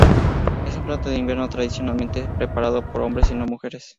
Es un plato de invierno tradicionalmente preparado por hombres y no mujeres.